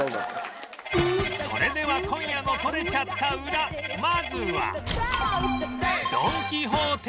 それでは今夜の撮れちゃったウラまずは